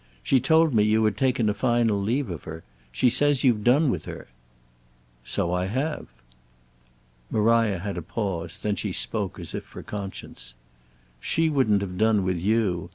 She told me you had taken a final leave of her. She says you've done with her." "So I have." Maria had a pause; then she spoke as if for conscience. "She wouldn't have done with you.